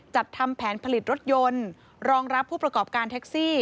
จัดทำแผนผลิตรถยนต์รองรับผู้ประกอบการแท็กซี่